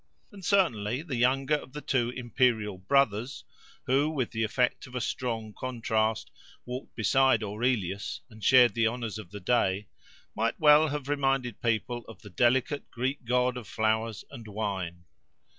And certainly the younger of the two imperial "brothers," who, with the effect of a strong contrast, walked beside Aurelius, and shared the honours of the day, might well have reminded people of the delicate Greek god of flowers and wine.